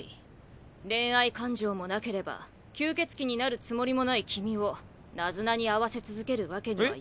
恋愛感情もなければ吸血鬼になるつもりもない君をナズナに会わせ続けるわけには。